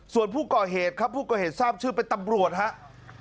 ส่วนผู้ก่อเหตุครับผู้ก่อเหตุทราบชื่อเป็นตำรวจครับ